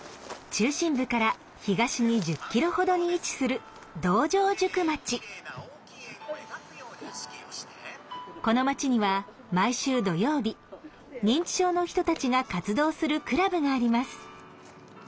中心部から東に１０ｋｍほどに位置するこの町には毎週土曜日認知症の人たちが活動するクラブがあります。